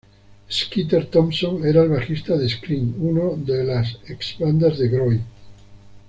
Skeeter Thompson era el bajista de Scream una de las ex bandas de Grohl.